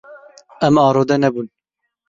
Em arode nebûn.